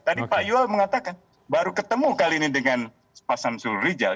tadi pak iwal mengatakan baru ketemu kali ini dengan pasan surujal